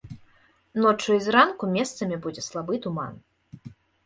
Ноччу і зранку месцамі будзе слабы туман.